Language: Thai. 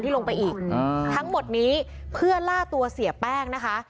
ลงไปอีกทั้งหมดนี้เพื่อล่าตัวเสียแป้งนะคะ